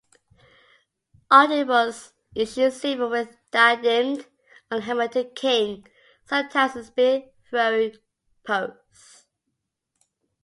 Archebius issued silver with diademed or helmeted king, sometimes in spear-throwing pose.